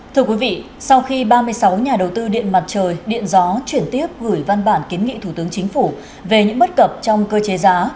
thưa quý vị sau khi ba mươi sáu nhà đầu tư điện mặt trời điện gió chuyển tiếp gửi văn bản kiến nghị thủ tướng chính phủ về những bất cập trong cơ chế giá